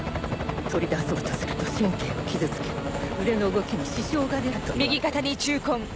取り出そうとすると神経を傷つけ腕の動きに支障が出ると言われてね。